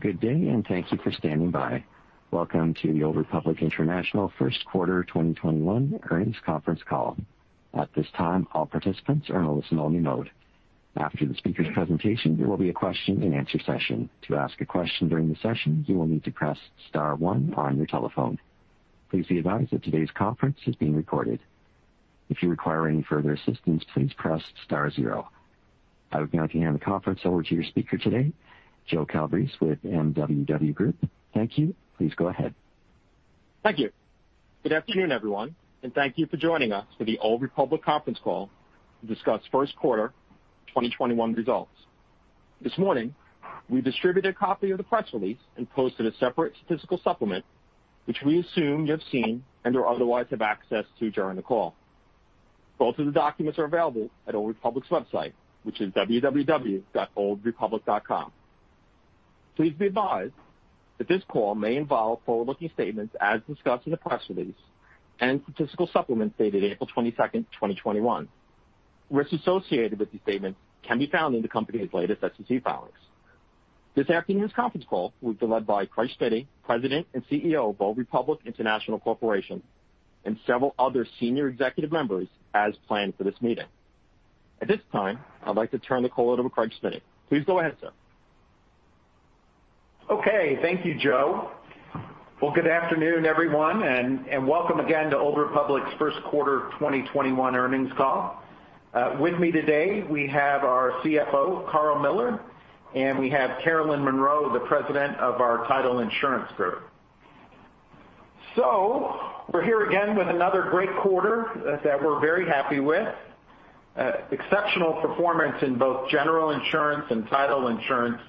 Good day, and thank you for standing by. Welcome to the Old Republic International First Quarter 2021 Earnings Conference Call. At this time, all participants are in a listen-only mode. After the speaker's presentation, there will be a question-and-answer session. To ask a question during the session, you will need to press star one on your telephone. Please be advised that today's conference is being recorded. If you require any further assistance, please press star zero. I would now like to hand the conference over to your speaker today, Joe Calabrese with MWW Group. Thank you. Please go ahead. Thank you. Good afternoon, everyone, and thank you for joining us for the Old Republic conference call to discuss first quarter 2021 results. This morning, we distributed a copy of the press release and posted a separate statistical supplement, which we assume you have seen and/or otherwise have access to during the call. Both of the documents are available at Old Republic's website, which is www.oldrepublic.com. Please be advised that this call may involve forward-looking statements as discussed in the press release and statistical supplement dated April 22, 2021. Risks associated with these statements can be found in the company's latest SEC filings. This afternoon's conference call will be led by Craig Smiddy, President and Chief Executive Officer of Old Republic International Corporation, and several other senior executive members as planned for this meeting. At this time, I'd like to turn the call over to Craig Smiddy. Please go ahead, sir. Thank you, Joe. Good afternoon, everyone, and welcome again to Old Republic's first quarter 2021 earnings call. With me today, we have our Chief Financial Officer, Karl Mueller, and we have Carolyn Monroe, the President of our Title Insurance Group. We're here again with another great quarter that we're very happy with. Exceptional performance in both General Insurance and Title Insurance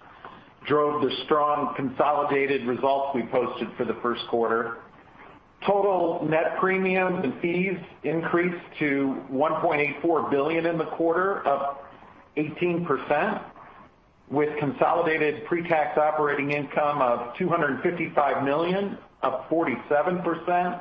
drove the strong consolidated results we posted for the first quarter. Total net premiums and fees increased to $1.84 billion in the quarter, up 18%, with consolidated pre-tax operating income of $255 million, up 47%,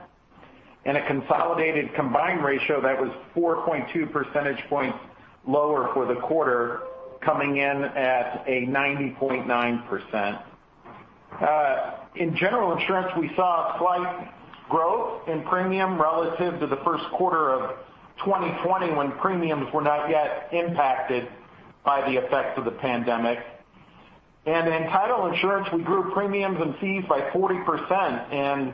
and a consolidated combined ratio that was 4.2 percentage points lower for the quarter, coming in at a 90.9%. In General Insurance, we saw a slight growth in premium relative to the first quarter of 2020, when premiums were not yet impacted by the effects of the pandemic. In title insurance, we grew premiums and fees by 40%, and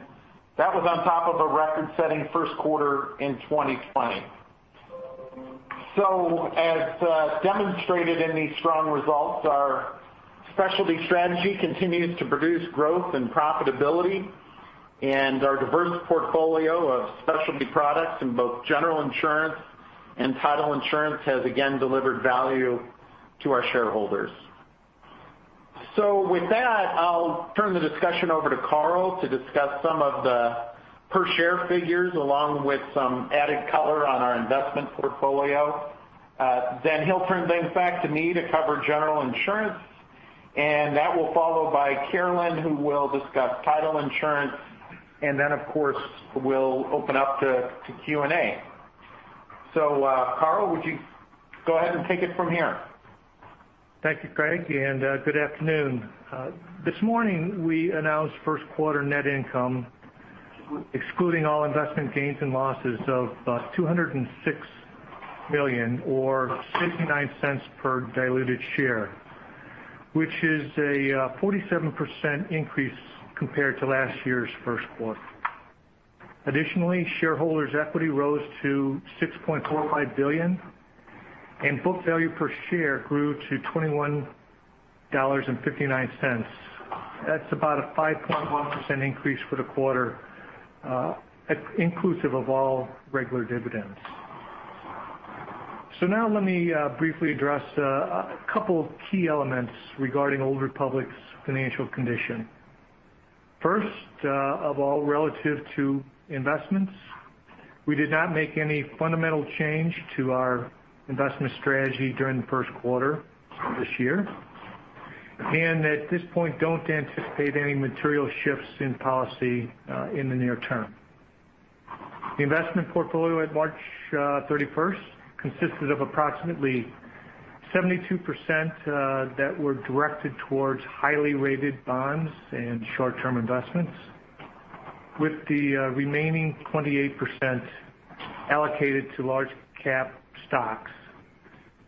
that was on top of a record-setting first quarter in 2020. As demonstrated in these strong results, our specialty strategy continues to produce growth and profitability, and our diverse portfolio of specialty products in both general insurance and title insurance has again delivered value to our shareholders. With that, I'll turn the discussion over to Karl to discuss some of the per share figures, along with some added color on our investment portfolio. He'll turn things back to me to cover general insurance, and that will followed by Carolyn, who will discuss title insurance. Then, of course, we'll open up to Q&A. Karl, would you go ahead and take it from here? Thank you, Craig. Good afternoon? This morning, we announced first quarter net income, excluding all investment gains and losses, of $206 million or $0.69 per diluted share, which is a 47% increase compared to last year's first quarter. Additionally, shareholders' equity rose to $6.45 billion, and book value per share grew to $21.59. That's about a 5.1% increase for the quarter, inclusive of all regular dividends. Now let me briefly address a couple of key elements regarding Old Republic's financial condition. First of all, relative to investments, we did not make any fundamental change to our investment strategy during the first quarter this year, and at this point, don't anticipate any material shifts in policy in the near term. The investment portfolio at March 31 consisted of approximately 72% that were directed towards highly rated bonds and short-term investments, with the remaining 28% allocated to large-cap stocks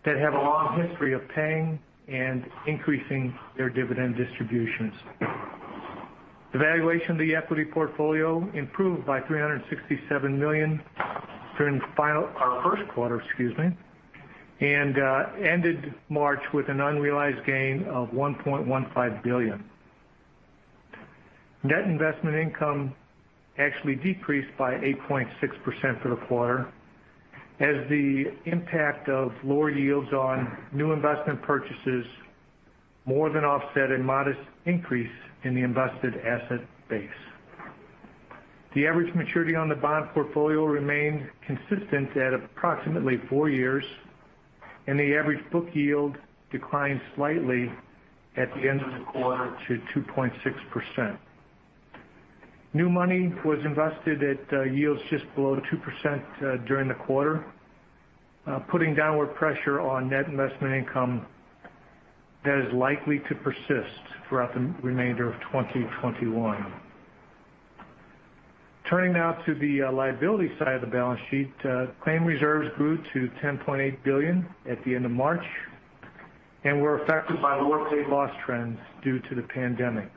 that have a long history of paying and increasing their dividend distributions. The valuation of the equity portfolio improved by $367 million during the first quarter, and ended March with an unrealized gain of $1.15 billion. Net investment income actually decreased by 8.6% for the quarter as the impact of lower yields on new investment purchases more than offset a modest increase in the invested asset base. The average maturity on the bond portfolio remained consistent at approximately four years, and the average book yield declined slightly at the end of the quarter to 2.6%. New money was invested at yields just below 2% during the quarter, putting downward pressure on net investment income that is likely to persist throughout the remainder of 2021. Turning now to the liability side of the balance sheet, claim reserves grew to $10.8 billion at the end of March, and were affected by lower paid loss trends due to the pandemic.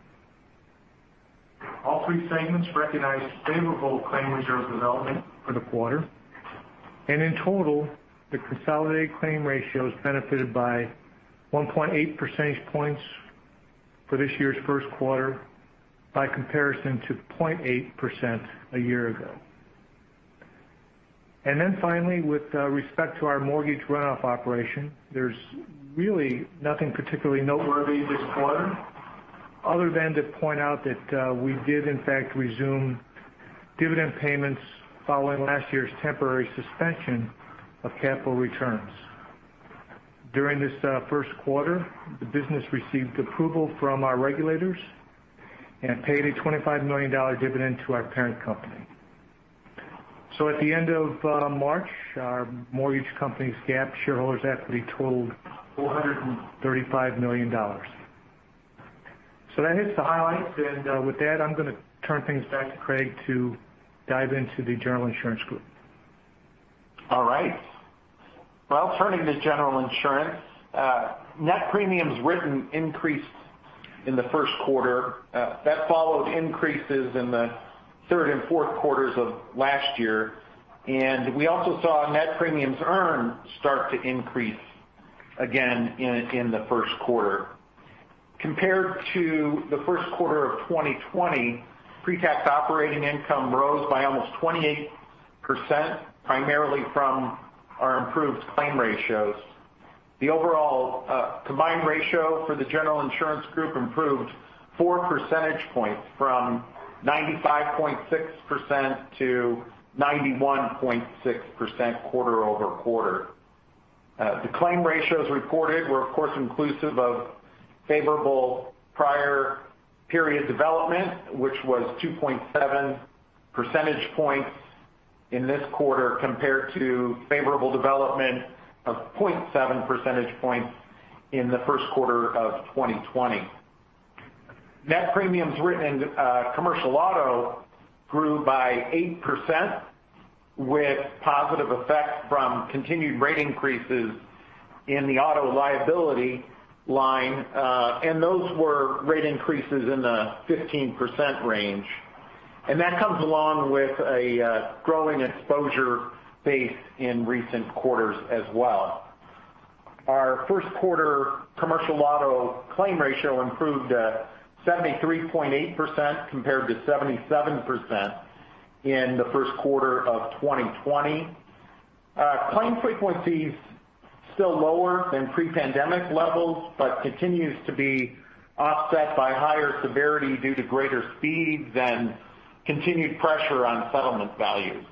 All three segments recognized favorable claim reserve development for the quarter, and in total, the consolidated claim ratios benefited by 1.8 percentage points for this year's first quarter by comparison to 0.8% a year ago. Finally, with respect to our mortgage run-off operation, there's really nothing particularly noteworthy this quarter other than to point out that we did in fact resume dividend payments following last year's temporary suspension of capital returns. During this first quarter, the business received approval from our regulators and paid a $25 million dividend to our parent company. At the end of March, our mortgage company's GAAP shareholders' equity totaled $435 million. That hits the highlights. With that, I'm going to turn things back to Craig to dive into the General Insurance Group. All right. Well, turning to General Insurance, net premiums written increased in the first quarter. That followed increases in the third and fourth quarters of last year. We also saw net premiums earned start to increase again in the first quarter. Compared to the first quarter of 2020, pre-tax operating income rose by almost 28%, primarily from our improved claim ratios. The overall combined ratio for the General Insurance Group improved four percentage points from 95.6% to 91.6% quarter-over-quarter. The claim ratios reported were, of course, inclusive of favorable prior period development, which was 2.7 percentage points in this quarter compared to favorable development of 0.7 percentage points in the first quarter of 2020. Net premiums written in commercial auto grew by 8% with positive effect from continued rate increases in the auto liability line. Those were rate increases in the 15% range. That comes along with a growing exposure base in recent quarters as well. Our first quarter commercial auto claim ratio improved to 73.8% compared to 77% in the first quarter of 2020. Claim frequency's still lower than pre-pandemic levels, but continues to be offset by higher severity due to greater speeds and continued pressure on settlement values.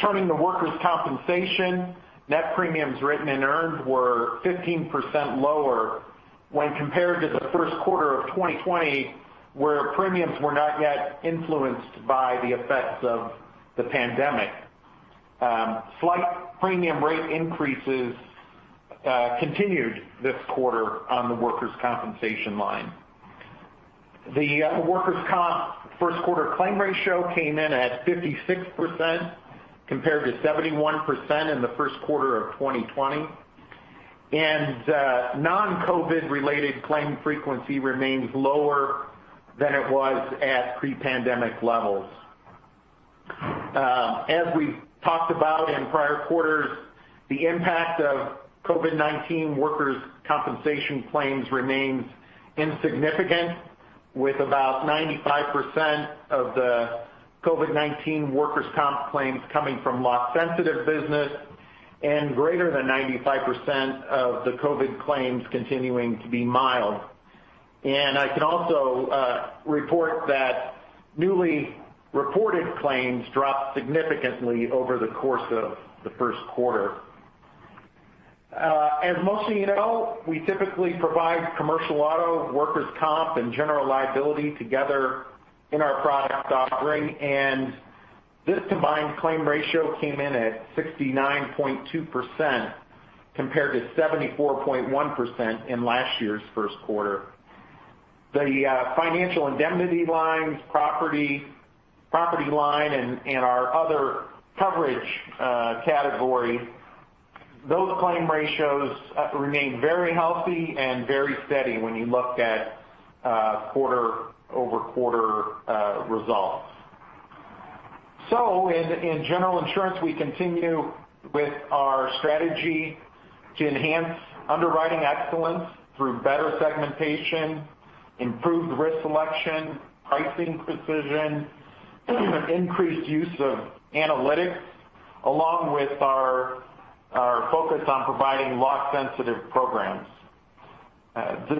Turning to workers' compensation, net premiums written and earned were 15% lower when compared to the first quarter of 2020, where premiums were not yet influenced by the effects of the pandemic. Slight premium rate increases continued this quarter on the workers' compensation line. The workers' comp first quarter claim ratio came in at 56%, compared to 71% in the first quarter of 2020, and non-COVID related claim frequency remains lower than it was at pre-pandemic levels. As we talked about in prior quarters, the impact of COVID-19 workers' compensation claims remains insignificant, with about 95% of the COVID-19 workers' comp claims coming from loss-sensitive business and greater than 95% of the COVID claims continuing to be mild. I can also report that newly reported claims dropped significantly over the course of the first quarter. As most of you know, we typically provide commercial auto, workers' comp, and general liability together in our product offering, and this combined claim ratio came in at 69.2%, compared to 74.1% in last year's first quarter. The financial indemnity lines, property line, and our other coverage category, those claim ratios remain very healthy and very steady when you look at quarter-over-quarter results. In General Insurance, we continue with our strategy to enhance underwriting excellence through better segmentation, improved risk selection, pricing precision, increased use of analytics, along with our focus on providing loss-sensitive programs.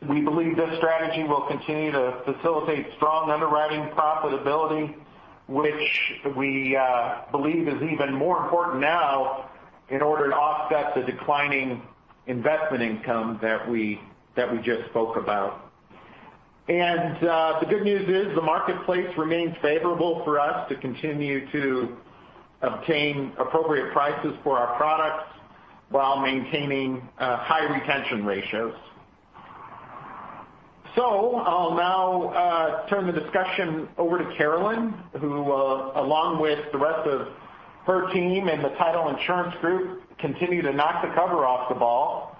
We believe this strategy will continue to facilitate strong underwriting profitability. Which we believe is even more important now in order to offset the declining investment income that we just spoke about. The good news is the marketplace remains favorable for us to continue to obtain appropriate prices for our products while maintaining high retention ratios. I'll now turn the discussion over to Carolyn, who, along with the rest of her team and the Title Insurance Group, continue to knock the cover off the ball.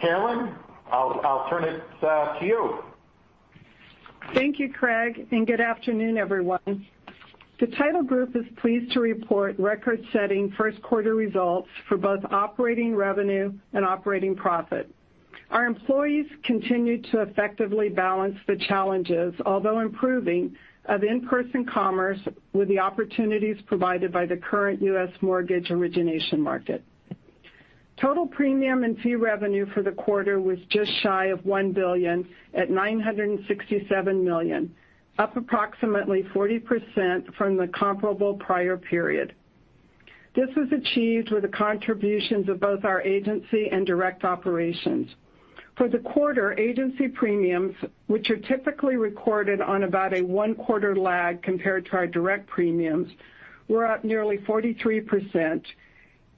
Carolyn, I'll turn it to you. Thank you, Craig, and good afternoon, everyone. The Title Group is pleased to report record-setting first quarter results for both operating revenue and operating profit. Our employees continued to effectively balance the challenges, although improving, of in-person commerce with the opportunities provided by the current U.S. mortgage origination market. Total premium and fee revenue for the quarter was just shy of $1 billion at $967 million, up approximately 40% from the comparable prior period. This was achieved with the contributions of both our agency and direct operations. For the quarter, agency premiums, which are typically recorded on about a one-quarter lag compared to our direct premiums, were up nearly 43%,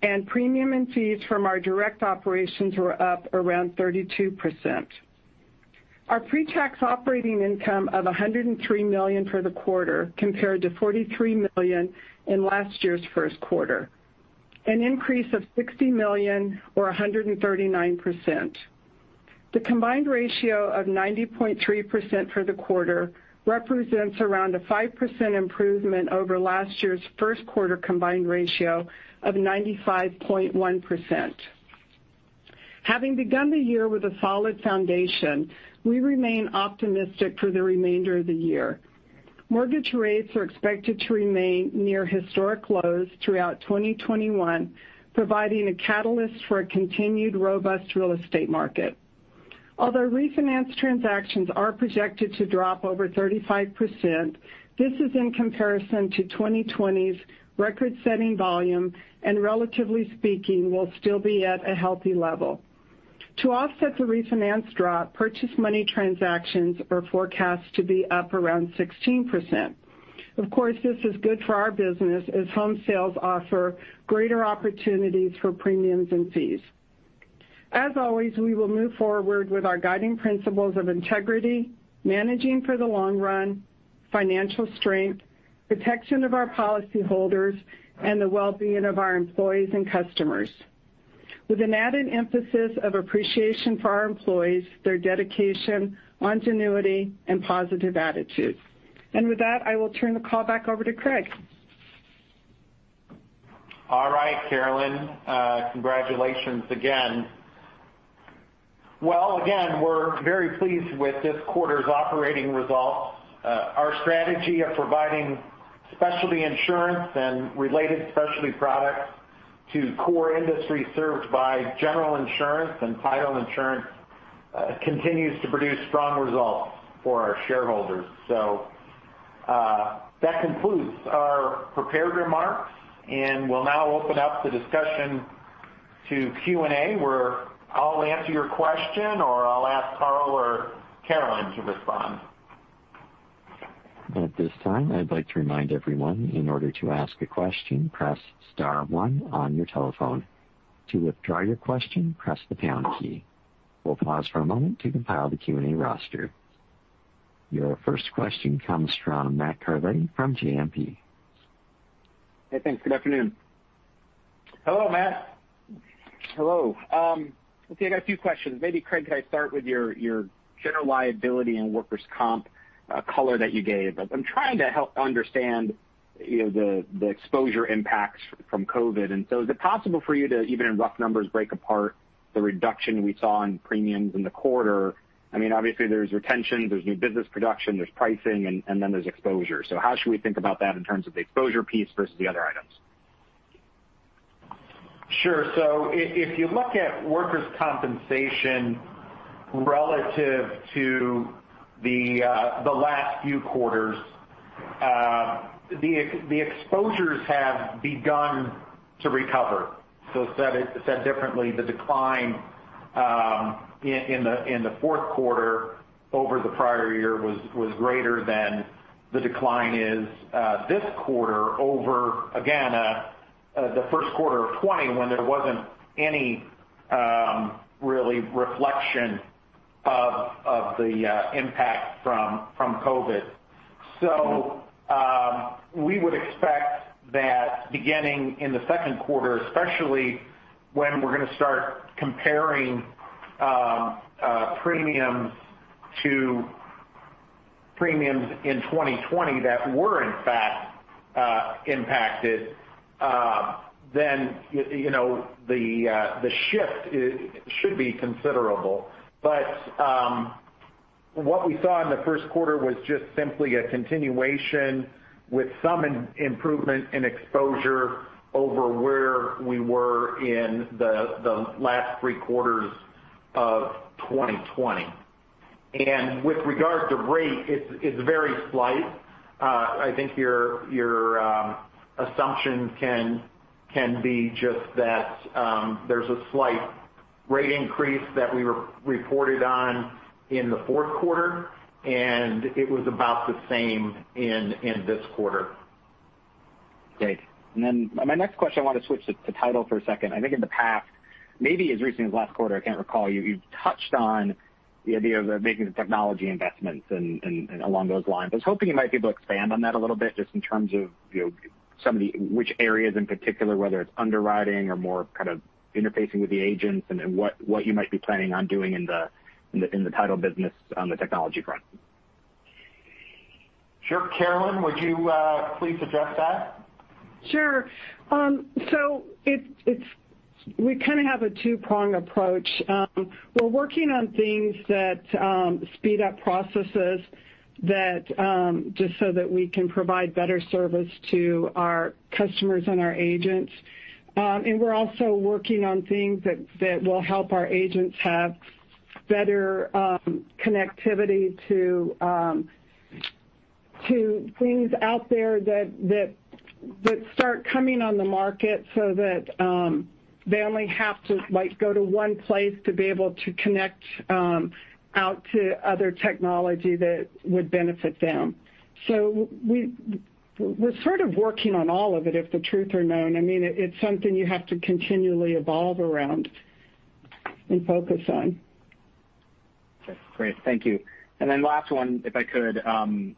and premium and fees from our direct operations were up around 32%. Our pre-tax operating income of $103 million for the quarter compared to $43 million in last year's first quarter, an increase of $60 million or 139%. The combined ratio of 90.3% for the quarter represents around a 5% improvement over last year's first quarter combined ratio of 95.1%. Having begun the year with a solid foundation, we remain optimistic for the remainder of the year. Mortgage rates are expected to remain near historic lows throughout 2021, providing a catalyst for a continued robust real estate market. Although refinance transactions are projected to drop over 35%, this is in comparison to 2020's record-setting volume, and relatively speaking, will still be at a healthy level. To offset the refinance drop, purchase money transactions are forecast to be up around 16%. Of course, this is good for our business as home sales offer greater opportunities for premiums and fees. As always, we will move forward with our guiding principles of integrity, managing for the long run, financial strength, protection of our policyholders, and the well-being of our employees and customers with an added emphasis of appreciation for our employees, their dedication, longevity, and positive attitude. With that, I will turn the call back over to Craig. All right, Carolyn. Congratulations again. Well, again, we're very pleased with this quarter's operating results. Our strategy of providing specialty insurance and related specialty products to core industries served by general insurance and title insurance continues to produce strong results for our shareholders. That concludes our prepared remarks, and we'll now open up the discussion to Q&A, where I'll answer your question, or I'll ask Karl or Carolyn to respond. At this time, I'd like to remind everyone, in order to ask a question, press star one on your telephone. To withdraw your question, press the pound key. We'll pause for a moment to compile the Q&A roster. Your first question comes from Matt Carletti from JMP. Hey, thanks. Good afternoon? Hello, Matt. Hello. Let's see. I got a few questions. Maybe, Craig, could I start with your general liability and workers' comp color that you gave? I'm trying to help understand the exposure impacts from COVID. Is it possible for you to, even in rough numbers, break apart the reduction we saw in premiums in the quarter? Obviously, there's retention, there's new business production, there's pricing, and then there's exposure. How should we think about that in terms of the exposure piece versus the other items? Sure. If you look at workers' compensation relative to the last few quarters, the exposures have begun to recover. Said differently, the decline in the fourth quarter over the prior year was greater than the decline is this quarter over, again, the first quarter of 2020, when there wasn't any really reflection of the impact from COVID. We would expect that beginning in the second quarter, especially when we're going to start comparing premiums to premiums in 2020 that were in fact impacted, then the shift should be considerable. What we saw in the first quarter was just simply a continuation with some improvement in exposure over where we were in the last three quarters of 2020. With regard to rate, it's very slight. I think your assumption can be just that there's a slight rate increase that we reported on in the fourth quarter, and it was about the same in this quarter. Great. My next question, I want to switch to title for a second. I think in the past, maybe as recently as last quarter, I can't recall, you touched on the idea of making the technology investments and along those lines. I was hoping you might be able to expand on that a little bit, just in terms of which areas in particular, whether it's underwriting or more kind of interfacing with the agents and what you might be planning on doing in the title business on the technology front. Sure. Carolyn, would you please address that? Sure. We kind of have a two-prong approach. We're working on things that speed up processes, just so that we can provide better service to our customers and our agents. We're also working on things that will help our agents have better connectivity to things out there that start coming on the market so that they only have to go to one place to be able to connect out to other technology that would benefit them. We're sort of working on all of it, if the truth are known. It's something you have to continually evolve around and focus on. Okay, great. Thank you. Then last one, if I could,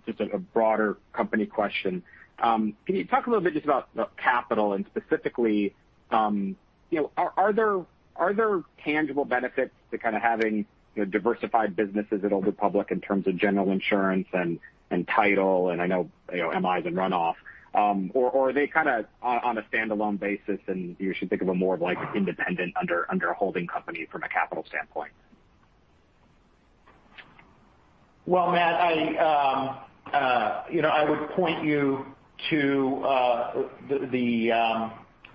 just a broader company question. Can you talk a little bit just about capital and specifically, are there tangible benefits to kind of having diversified businesses at Old Republic in terms of general insurance and title, and I know MIs and runoff? Or are they kind of on a standalone basis and you should think of them more of like independent under a holding company from a capital standpoint? Well, Matt, I would point you to the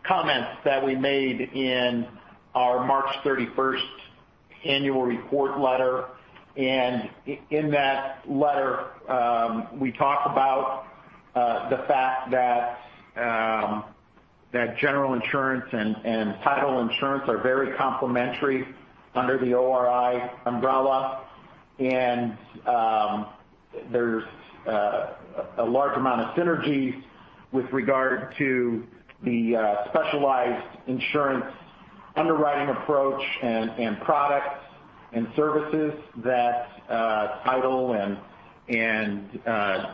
comments that we made in our March 31 annual report letter. In that letter, we talked about the fact that general insurance and title insurance are very complementary under the ORI umbrella. There's a large amount of synergies with regard to the specialized insurance underwriting approach and products and services that title and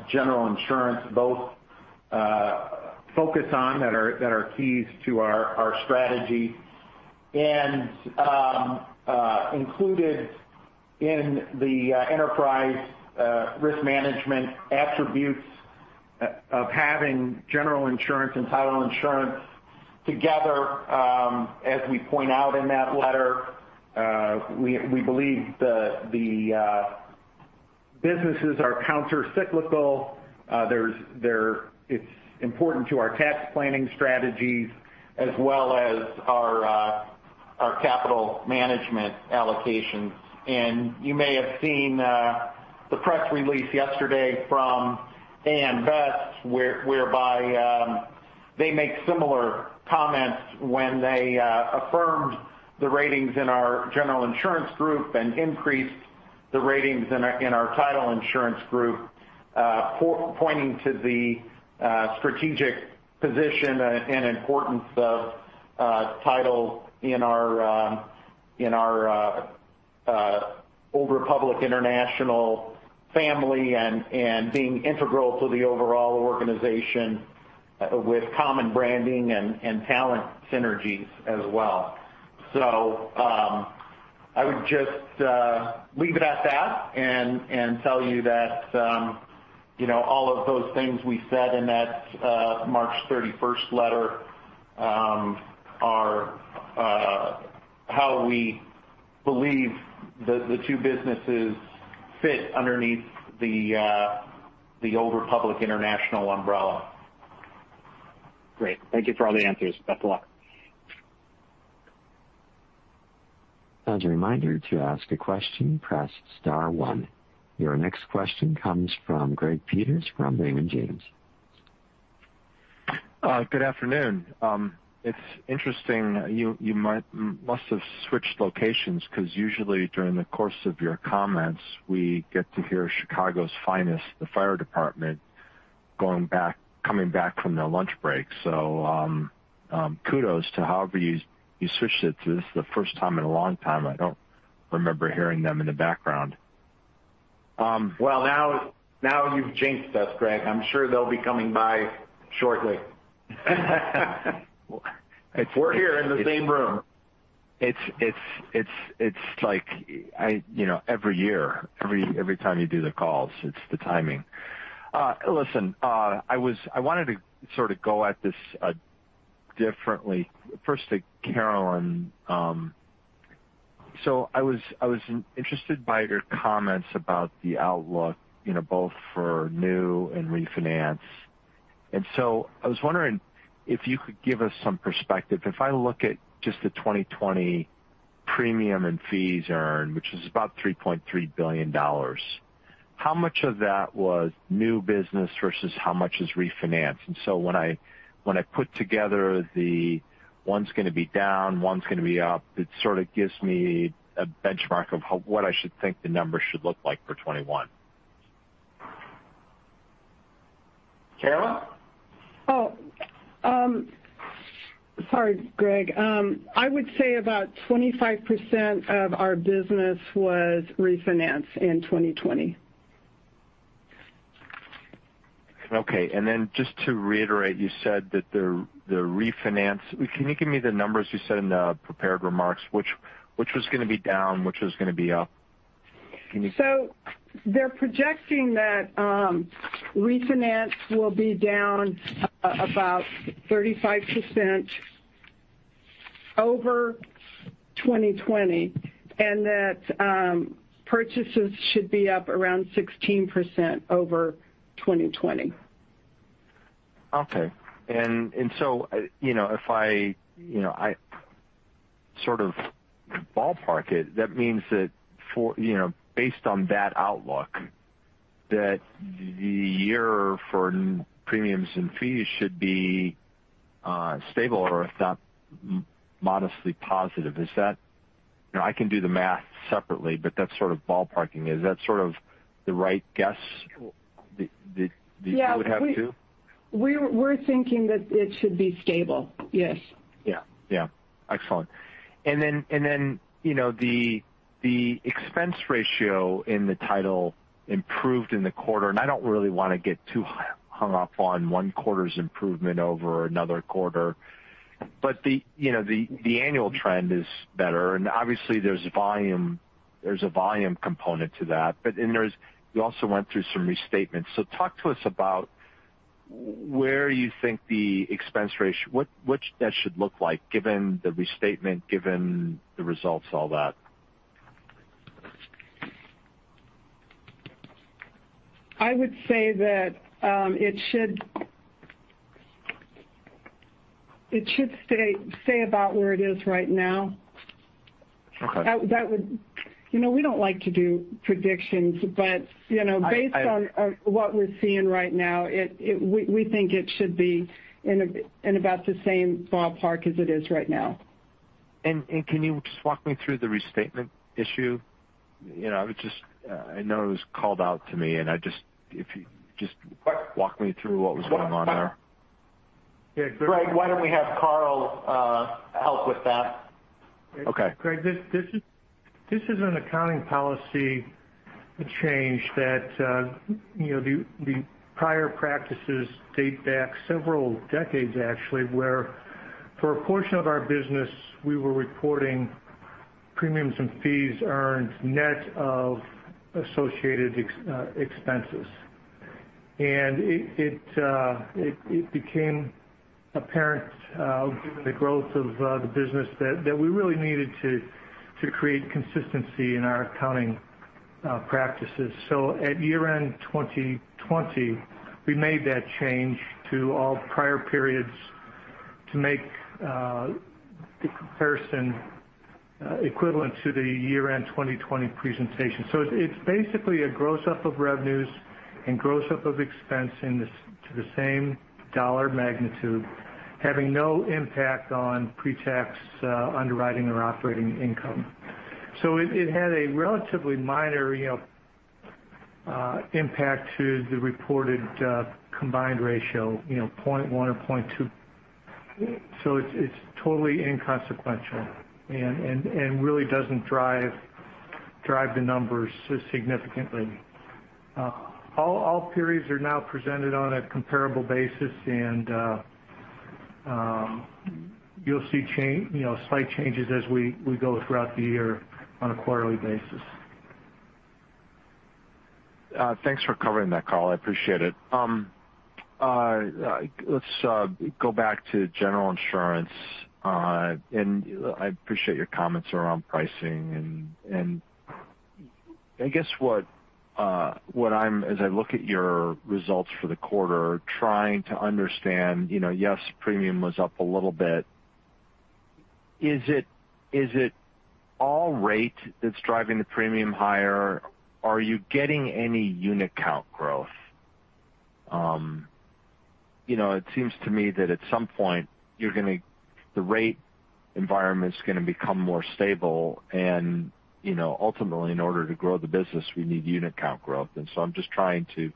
general insurance both focus on that are keys to our strategy. Included in the enterprise risk management attributes of having general insurance and title insurance together, as we point out in that letter, we believe the businesses are counter-cyclical. It's important to our tax planning strategies as well as our capital management allocations. You may have seen the press release yesterday from AM Best, whereby they make similar comments when they affirmed the ratings in our General Insurance Group and increased the ratings in our Title Insurance Group, pointing to the strategic position and importance of title in our Old Republic International family and being integral to the overall organization with common branding and talent synergies as well. I would just leave it at that and tell you that all of those things we said in that March 31 letter are how we believe the two businesses fit underneath the Old Republic International umbrella. Great. Thank you for all the answers. Best of luck. As a reminder, to ask a question, press star one. Your next question comes from Greg Peters from Raymond James. Good afternoon? It's interesting. You must have switched locations because usually during the course of your comments, we get to hear Chicago's finest, the fire department, coming back from their lunch break. Kudos to however you switched it because this is the first time in a long time I don't remember hearing them in the background. Well, now you've jinxed us, Greg. I'm sure they'll be coming by shortly. We're here in the same room. It's like every year, every time you do the calls, it's the timing. Listen, I wanted to sort of go at this differently. First to Carolyn. I was interested by your comments about the outlook both for new and refinance and I was wondering if you could give us some perspective. If I look at just the 2020 premium and fees earned, which is about $3.3 billion, how much of that was new business versus how much is refinance? When I put together the one's going to be down, one's going to be up, it sort of gives me a benchmark of what I should think the numbers should look like for 2021. Carolyn? Oh, sorry, Greg. I would say about 25% of our business was refinance in 2020. Okay. Just to reiterate, you said that the refinance, can you give me the numbers you said in the prepared remarks? Which was going to be down, which was going to be up? They're projecting that refinance will be down about 35% over 2020, and that purchases should be up around 16% over 2020. Okay. If I sort of ballpark it, that means that based on that outlook, that the year for premiums and fees should be stable or, if not, modestly positive. I can do the math separately, but that's sort of ballparking. Is that sort of the right guess that you would have, too? Yeah. We're thinking that it should be stable. Yes. Yeah. Excellent. The expense ratio in the title improved in the quarter. I don't really want to get too hung up on one quarter's improvement over another quarter. The annual trend is better. Obviously there's a volume component to that. You also went through some restatements. Talk to us about where you think the expense ratio, what that should look like given the restatement, given the results, all that. I would say that it should stay about where it is right now. Okay. We don't like to do predictions, but based on what we're seeing right now, we think it should be in about the same ballpark as it is right now. Can you just walk me through the restatement issue? I know it was called out to me, and if you just walk me through what was going on there? Greg, why don't we have Karl help with that? Okay. Greg, this is an accounting policy change that the prior practices date back several decades, actually, where for a portion of our business, we were reporting premiums and fees earned net of associated expenses. It became apparent, given the growth of the business, that we really needed to create consistency in our accounting practices. At year-end 2020, we made that change to all prior periods to make the comparison equivalent to the year-end 2020 presentation. It's basically a gross up of revenues and gross up of expense to the same dollar magnitude, having no impact on pre-tax underwriting or operating income. It had a relatively minor impact to the reported combined ratio, 0.1 or 0.2. It's totally inconsequential and really doesn't drive the numbers significantly. All periods are now presented on a comparable basis, and you'll see slight changes as we go throughout the year on a quarterly basis. Thanks for covering that, Karl. I appreciate it. Let's go back to general insurance. I appreciate your comments around pricing, and I guess what I'm, as I look at your results for the quarter, trying to understand, yes, premium was up a little bit. Is it all rate that's driving the premium higher? Are you getting any unit count growth? It seems to me that at some point the rate environment's going to become more stable and ultimately, in order to grow the business, we need unit count growth. I'm just trying to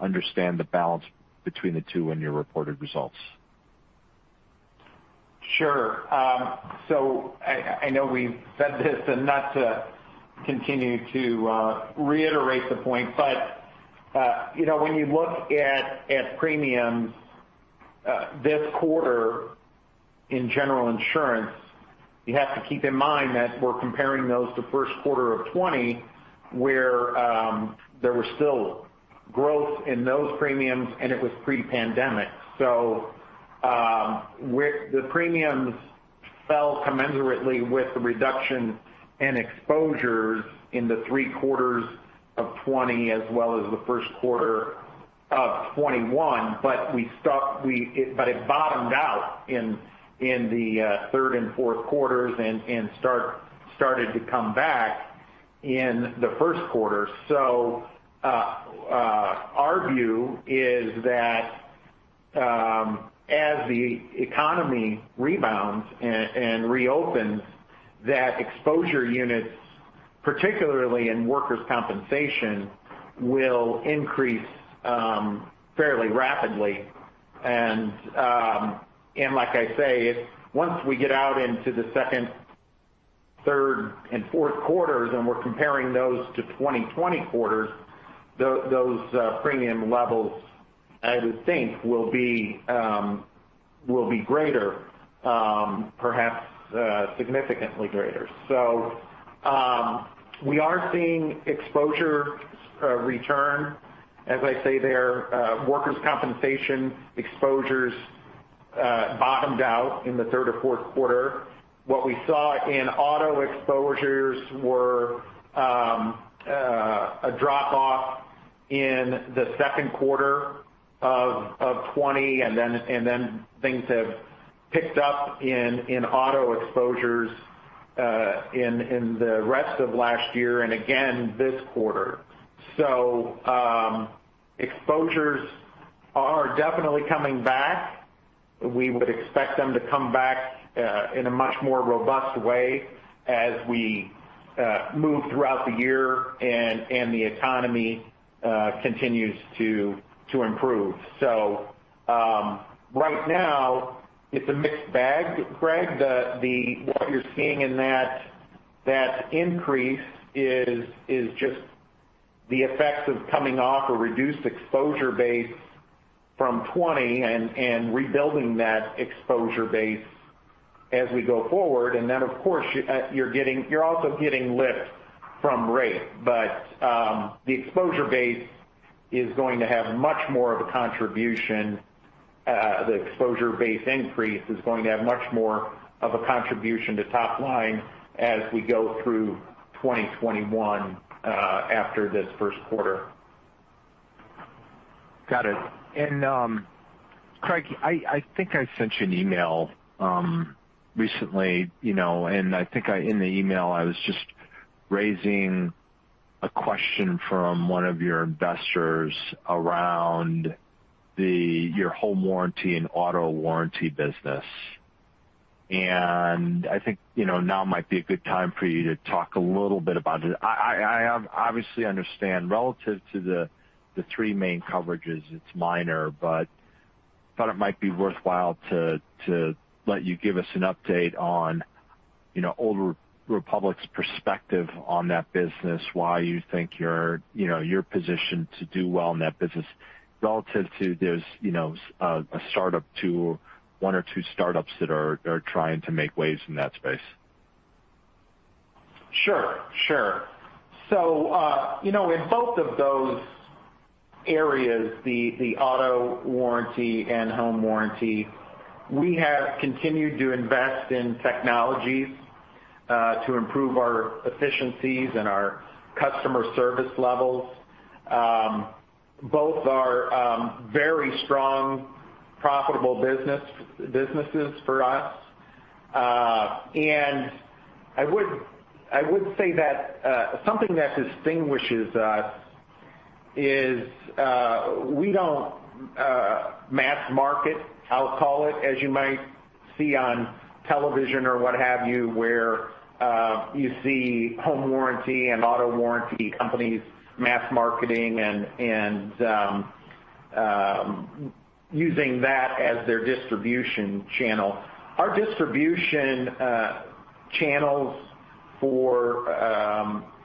understand the balance between the two in your reported results. Sure. I know we've said this, and not to continue to reiterate the point, but when you look at premiums this quarter in general insurance, you have to keep in mind that we're comparing those to first quarter of 2020, where there was still growth in those premiums, and it was pre-pandemic. The premiums fell commensurately with the reduction in exposures in the three quarters of 2020, as well as the first quarter of 2021. It bottomed out in the third and fourth quarters and started to come back in the first quarter. Our view is that as the economy rebounds and reopens, that exposure units, particularly in workers' compensation, will increase fairly rapidly. Like I say, once we get out into the second, third, and fourth quarters, and we're comparing those to 2020 quarters, those premium levels, I would think, will be greater, perhaps significantly greater. We are seeing exposure return. As I say there, workers' compensation exposures bottomed out in the third or fourth quarter. What we saw in auto exposures were a drop-off in the second quarter of 2020, and then things have picked up in auto exposures in the rest of last year and again this quarter. Exposures are definitely coming back. We would expect them to come back in a much more robust way as we move throughout the year and the economy continues to improve. Right now, it's a mixed bag, Greg. What you're seeing in that increase is just the effects of coming off a reduced exposure base from 2020 and rebuilding that exposure base as we go forward. Of course, you're also getting lift from rate. The exposure base increase is going to have much more of a contribution to top line as we go through 2021 after this first quarter. Got it. Craig, I think I sent you an email recently. I think in the email, I was just raising a question from one of your investors around your home warranty and auto warranty business. I think now might be a good time for you to talk a little bit about it. I obviously understand relative to the three main coverages, it's minor, but thought it might be worthwhile to let you give us an update on Old Republic's perspective on that business, why you think you're positioned to do well in that business relative to one or two startups that are trying to make waves in that space. Sure. In both of those areas, the auto warranty and home warranty, we have continued to invest in technologies to improve our efficiencies and our customer service levels. Both are very strong, profitable businesses for us. I would say that something that distinguishes us is we don't mass market, I'll call it, as you might see on television or what have you, where you see home warranty and auto warranty companies mass marketing and using that as their distribution channel. Our distribution channels for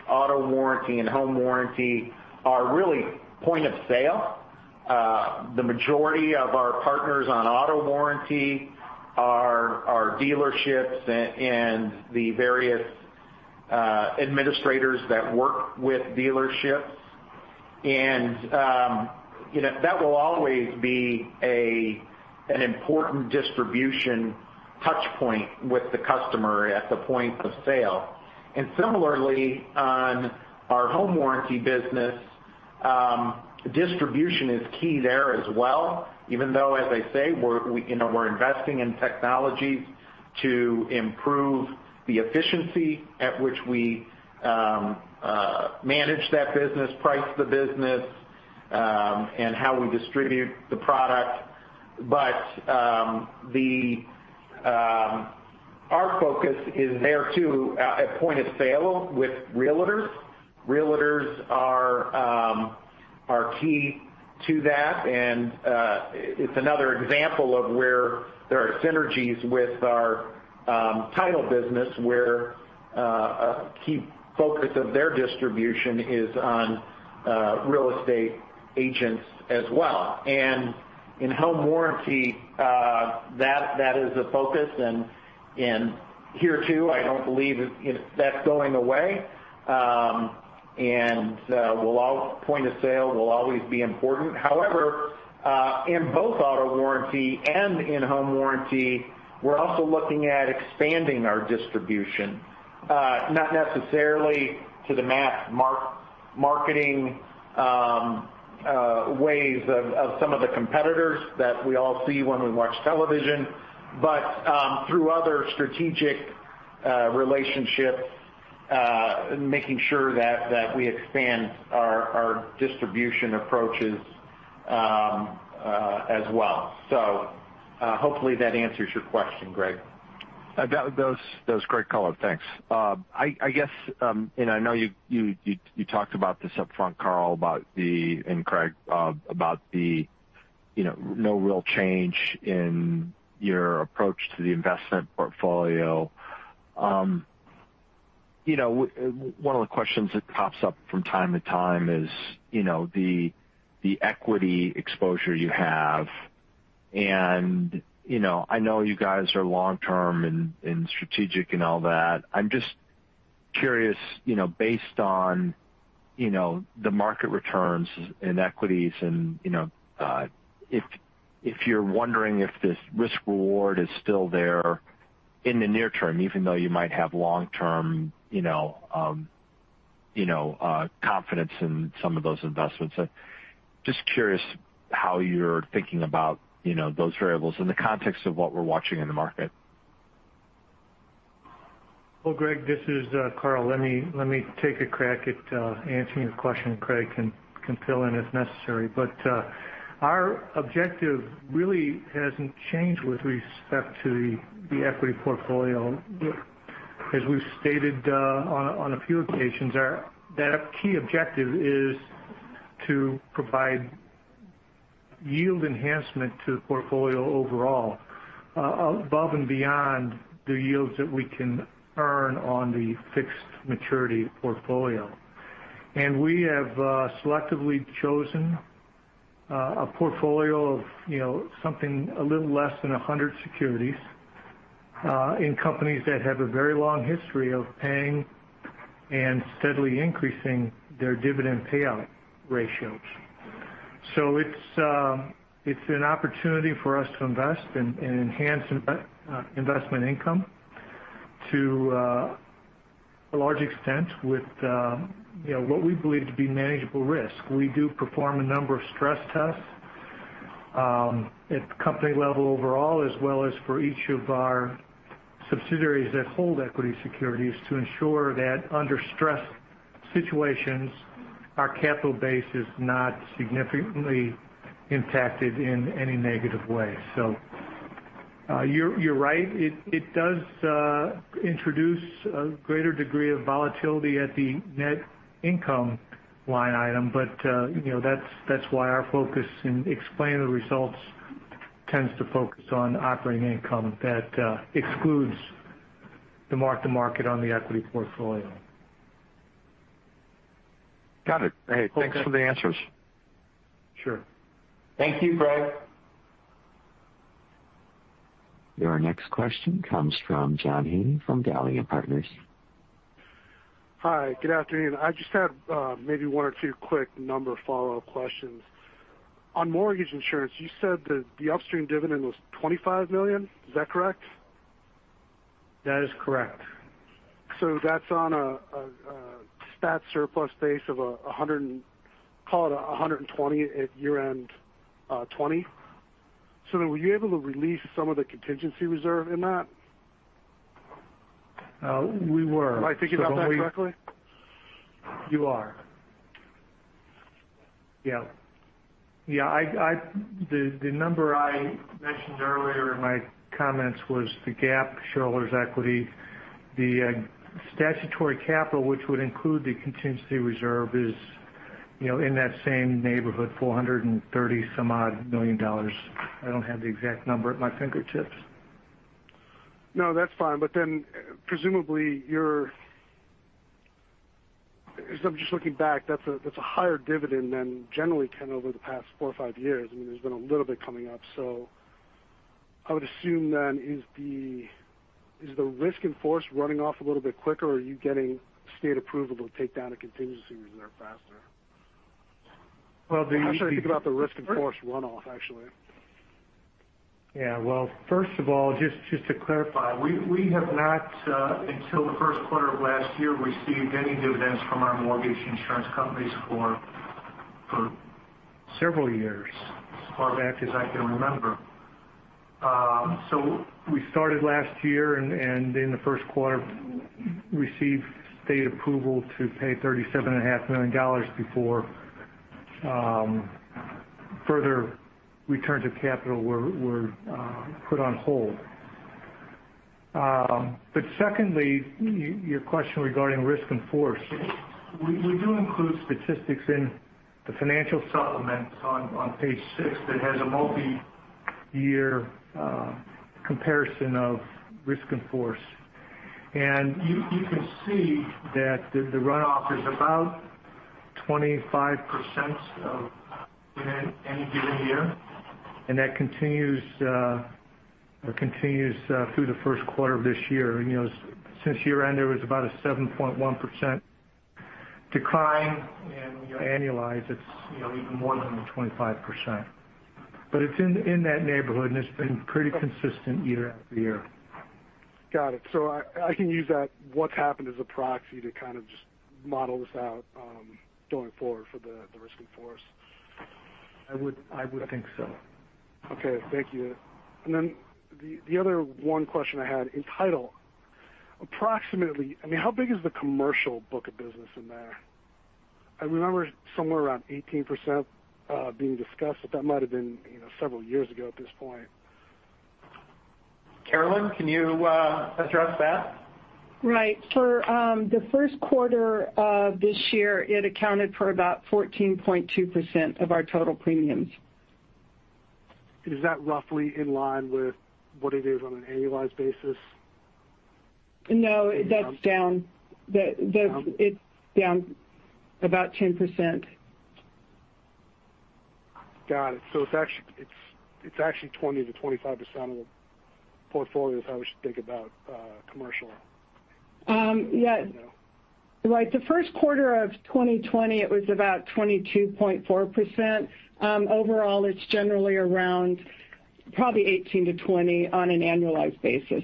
auto warranty and home warranty are really point of sale. The majority of our partners on auto warranty are dealerships and the various administrators that work with dealerships. That will always be an important distribution touch point with the customer at the point of sale. Similarly, on our home warranty business, distribution is key there as well, even though, as I say, we're investing in technology to improve the efficiency at which we manage that business, price the business, and how we distribute the product. Our focus is there, too, at point of sale with realtors. Realtors are key to that, and it's another example of where there are synergies with our title business, where a key focus of their distribution is on real estate agents as well. In home warranty, that is a focus. Here, too, I don't believe that's going away. Point of sale will always be important. In both auto warranty and home warranty, we're also looking at expanding our distribution, not necessarily to the mass marketing ways of some of the competitors that we all see when we watch television, but through other strategic relationships, making sure that we expand our distribution approaches as well. Hopefully that answers your question, Greg. That was great, Craig. Thanks. I know you talked about this upfront, Karl and Craig, about the no real change in your approach to the investment portfolio. One of the questions that pops up from time to time is the equity exposure you have. I know you guys are long-term and strategic and all that. I'm just curious based on the market returns in equities, and if you're wondering if this risk-reward is still there in the near term, even though you might have long-term confidence in some of those investments. Just curious how you're thinking about those variables in the context of what we're watching in the market. Well, Greg, this is Karl. Let me take a crack at answering your question. Craig can fill in if necessary. Our objective really hasn't changed with respect to the equity portfolio. As we've stated on a few occasions, our key objective is to provide yield enhancement to the portfolio overall above and beyond the yields that we can earn on the fixed maturity portfolio. We have selectively chosen a portfolio of something a little less than 100 securities in companies that have a very long history of paying and steadily increasing their dividend payout ratios. It's an opportunity for us to invest in enhanced investment income to a large extent with what we believe to be manageable risk. We do perform a number of stress tests at the company level overall, as well as for each of our subsidiaries that hold equity securities to ensure that under stress situations, our capital base is not significantly impacted in any negative way. You're right. It does introduce a greater degree of volatility at the net income line item, but that's why our focus in explaining the results tends to focus on operating income that excludes the mark-to-market on the equity portfolio. Got it. Hey, thanks for the answers. Sure. Thank you, Greg. Your next question comes from John Heagney from Dowling & Partners Hi, good afternoon? I just had maybe one or two quick number follow-up questions. On mortgage insurance, you said that the upstream dividend was $25 million. Is that correct? That is correct. That's on a stat surplus base of, call it, $120 at year-end 2020. Were you able to release some of the contingency reserve in that? We were. Am I thinking about that correctly? You are. Yeah. The number I mentioned earlier in my comments was the GAAP shareholders' equity. The statutory capital, which would include the contingency reserve, is in that same neighborhood, $430-some-odd million. I don't have the exact number at my fingertips. No, that's fine. Presumably, because I'm just looking back, that's a higher dividend than generally, over the past four or five years. I mean, there's been a little bit coming up. I would assume then, is the risk in force running off a little bit quicker, or are you getting state approval to take down a contingency reserve faster? Well. I'm trying to think about the risk in force runoff, actually. Yeah. Well, first of all, just to clarify, we have not, until the first quarter of last year, received any dividends from our mortgage insurance companies for several years, as far back as I can remember. We started last year and in the first quarter, received state approval to pay $37.5 million before further returns of capital were put on hold. Secondly, your question regarding risk in force. We do include statistics in the financial supplements on page six that has a multi-year comparison of risk in force. You can see that the runoff is about 25% in any given year. That continues through the first quarter of this year. Since year-end, there was about a 7.1% decline. When you annualize, it's even more than the 25%. It's in that neighborhood, and it's been pretty consistent year after year. Got it. I can use that, what's happened as a proxy to kind of just model this out, going forward for the risk in force. I would think so. Okay. Thank you. The other one question I had, in title, approximately, how big is the commercial book of business in there? I remember somewhere around 18%, being discussed, but that might have been several years ago at this point. Carolyn, can you address that? Right. For the first quarter of this year, it accounted for about 14.2% of our total premiums. Is that roughly in line with what it is on an annualized basis? No, that's down. Down? It's down about 10%. Got it. It's actually 20%-25% of the portfolio is how we should think about commercial. Yes. Right. The first quarter of 2020, it was about 22.4%. Overall, it's generally around probably 18%-20% on an annualized basis.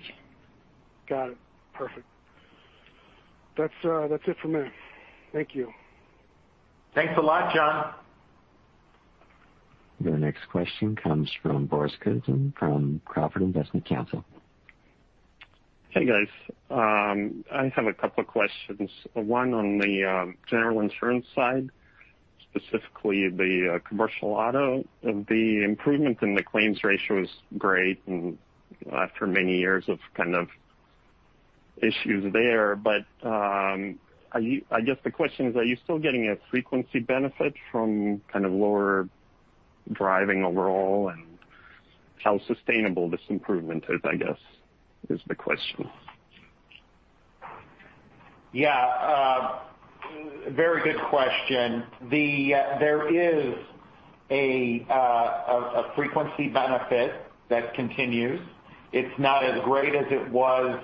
Got it. Perfect. That's it for me. Thank you. Thanks a lot, John. Your next question comes from Boris Kuzmin, from Crawford Investment Counsel. Hey, guys? I have a couple of questions. One, on the general insurance side, specifically the commercial auto. The improvement in the claims ratio is great, and after many years of kind of issues there, but, I guess the question is, are you still getting a frequency benefit from kind of lower driving overall and how sustainable this improvement is, I guess is the question. Yeah. Very good question. There is a frequency benefit that continues. It's not as great as it was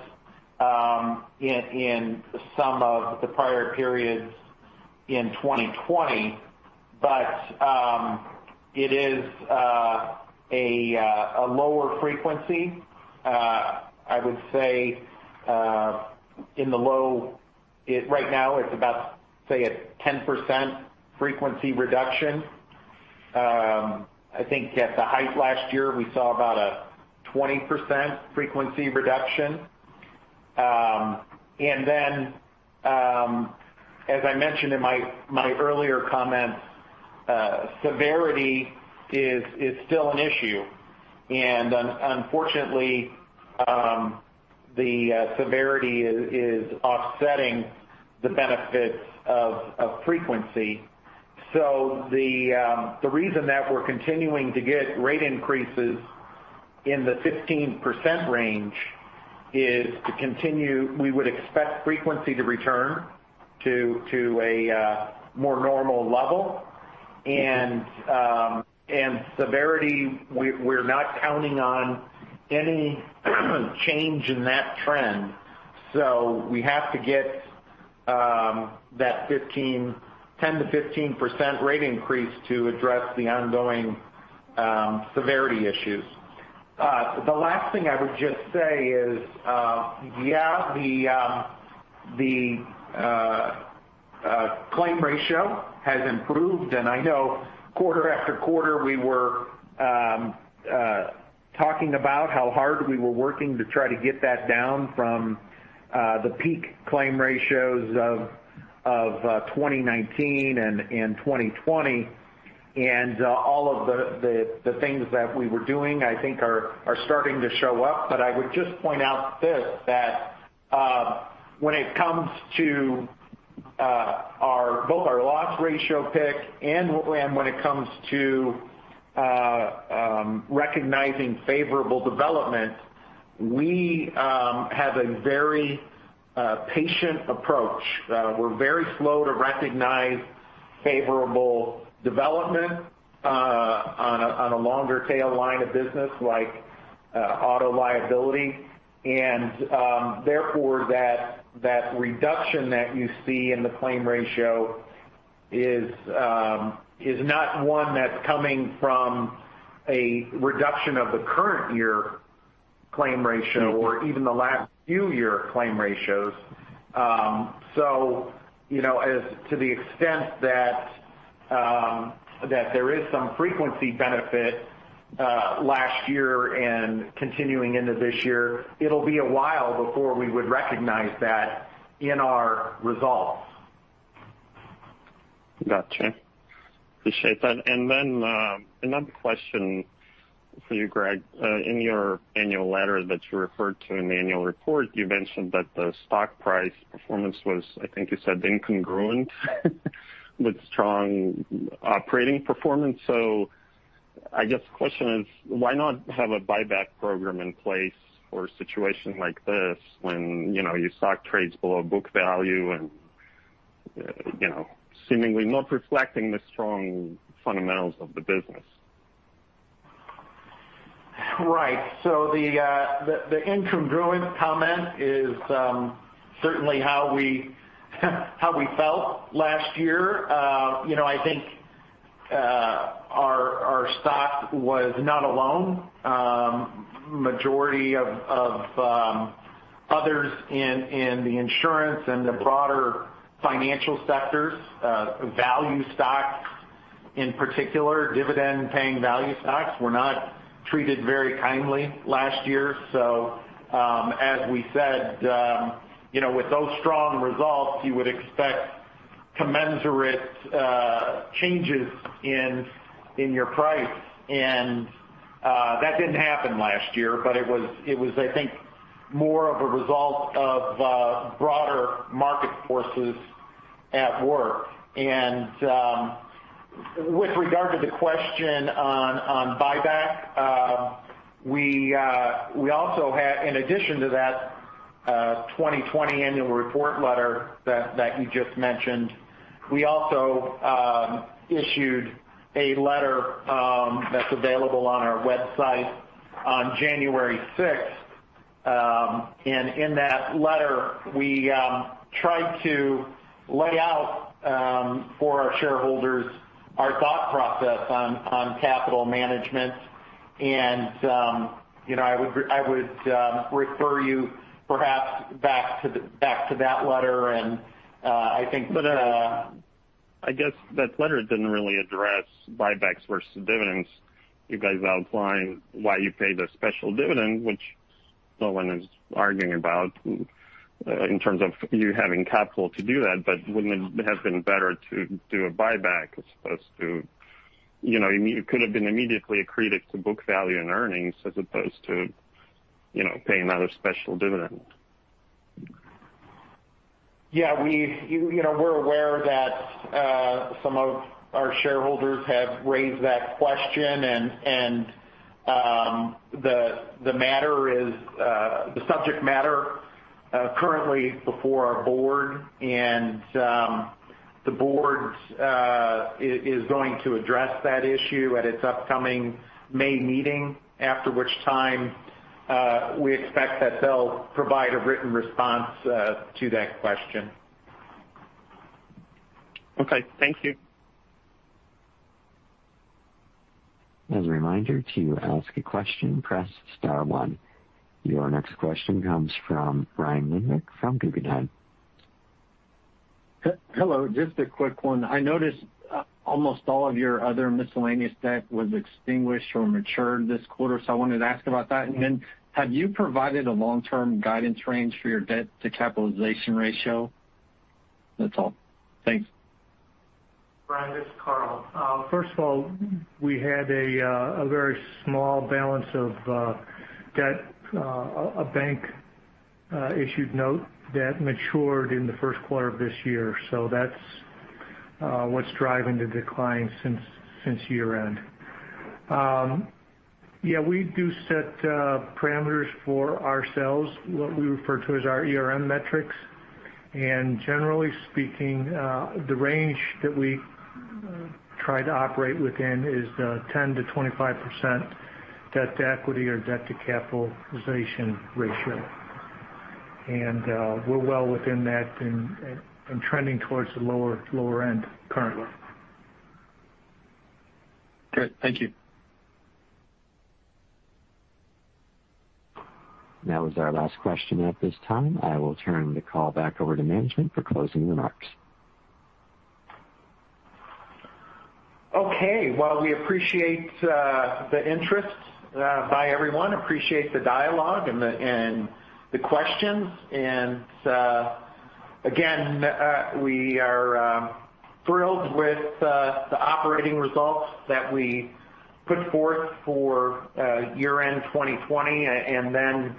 in some of the prior periods in 2020. It is a lower frequency. I would say, right now it's about, say, a 10% frequency reduction. I think at the height last year, we saw about a 20% frequency reduction. As I mentioned in my earlier comments, severity is still an issue. Unfortunately, the severity is offsetting the benefits of frequency. The reason that we're continuing to get rate increases in the 15% range is to continue, we would expect frequency to return to a more normal level. Severity, we're not counting on any change in that trend. We have to get that 10%-15% rate increase to address the ongoing severity issues. The last thing I would just say is, yeah, the claim ratio has improved, and I know quarter after quarter we were talking about how hard we were working to try to get that down from the peak claim ratios of 2019 and 2020. All of the things that we were doing, I think are starting to show up. I would just point out this, that when it comes to both our loss ratio pick and when it comes to recognizing favorable development, we have a very patient approach. We're very slow to recognize favorable development on a longer tail line of business like auto liability. Therefore, that reduction that you see in the claim ratio is not one that's coming from a reduction of the current year claim ratio or even the last few year claim ratios. To the extent that there is some frequency benefit, last year and continuing into this year, it'll be a while before we would recognize that in our results. Gotcha. Appreciate that. Then, another question for you, Greg. In your annual letter that you referred to in the annual report, you mentioned that the stock price performance was, I think you said incongruent with strong operating performance. I guess the question is, why not have a buyback program in place for a situation like this when your stock trades below book value and seemingly not reflecting the strong fundamentals of the business? Right. The incongruent comment is certainly how we felt last year. I think our stock was not alone. Majority of others in the insurance and the broader financial sectors, value stocks in particular, dividend-paying value stocks, were not treated very kindly last year. As we said, with those strong results, you would expect commensurate changes in your price, and that didn't happen last year. It was, I think, more of a result of broader market forces at work. With regard to the question on buyback, in addition to that 2020 annual report letter that you just mentioned, we also issued a letter that's available on our website on January 6. In that letter, we tried to lay out, for our shareholders, our thought process on capital management. I would refer you perhaps back to that letter. I guess that letter didn't really address buybacks versus dividends. You guys outlined why you paid a special dividend, which no one is arguing about in terms of you having capital to do that, but wouldn't it have been better to do a buyback as opposed to? It could have been immediately accreted to book value and earnings as opposed to paying out a special dividend. Yeah. We're aware that some of our shareholders have raised that question, and the subject matter currently is before our Board. The Board is going to address that issue at its upcoming May meeting, after which time we expect that they'll provide a written response to that question. Okay. Thank you. As a reminder, to ask a question, press star one. Your next question comes from Ryan Winrick from Guggenheim. Hello. Just a quick one. I noticed almost all of your other miscellaneous debt was extinguished or matured this quarter, so I wanted to ask about that. Have you provided a long-term guidance range for your debt-to-capitalization ratio? That's all. Thanks. Ryan, this is Karl. First of all, we had a very small balance of debt, a bank-issued note debt matured in the first quarter of this year. That's what's driving the decline since year-end. Yeah, we do set parameters for ourselves, what we refer to as our ERM metrics. Generally speaking, the range that we try to operate within is the 10%-25% debt-to-equity or debt-to-capitalization ratio. We're well within that and trending towards the lower end currently. Good. Thank you. That was our last question at this time. I will turn the call back over to management for closing remarks. Okay. Well, we appreciate the interest by everyone, appreciate the dialogue and the questions. Again, we are thrilled with the operating results that we put forth for year-end 2020, and then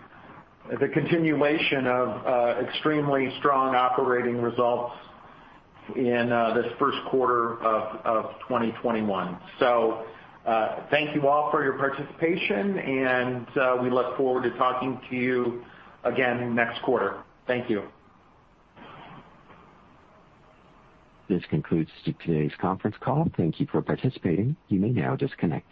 the continuation of extremely strong operating results in this first quarter of 2021. Thank you all for your participation, and we look forward to talking to you again next quarter. Thank you. This concludes today's conference call. Thank you for participating, you may now disconnect.